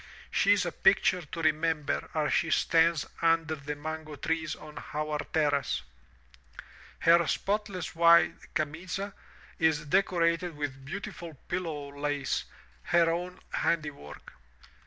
She is a picture to remember as she stands under the mango trees on our terrace. Her spotless white '*camiza'' is decorated with beautiful pillow lace, her own handiwork.